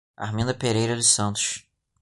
Arminda Pereira dos Santos